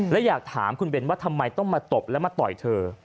และอยากถามคุณเบนว่าทำไมต้องมาตบแล้วมาต่อยเธอ